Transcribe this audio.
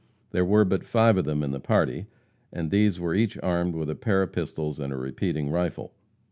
There were but five of them in the party, and these were each armed with a pair of pistols and a repeating rifle.